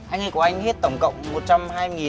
anh ấy của anh hết tổng cộng